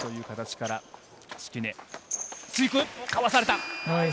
かわされた。